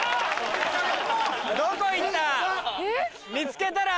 どこ行った？うわ！